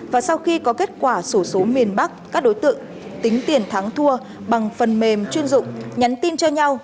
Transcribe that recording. và sau khi có kết quả sổ số miền bắc các đối tượng tính tiền thắng thua bằng phần mềm chuyên dụng nhắn tin cho nhau